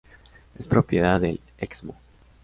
Es propiedad del Excmo.